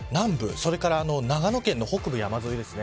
それから長野県の北部山沿いですね。